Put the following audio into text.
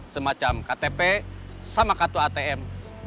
semacam ktp sama kartu atm